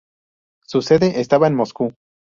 Su sede estaba en Moscú.